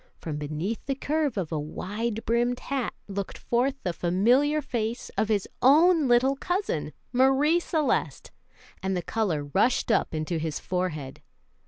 From beneath the curve of a wide brimmed hat looked forth the familiar face of his own little cousin, Marie Celeste, and the color rushed up into his forehead.